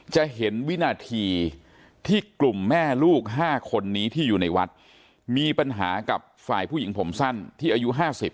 จะเห็นวินาทีที่กลุ่มแม่ลูก๕คนนี้ที่อยู่ในวัดมีปัญหากับฝ่ายผู้หญิงผมสั้นที่อายุ๕๐